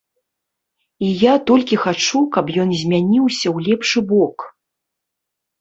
І я толькі хачу, каб ён змяніўся ў лепшы бок.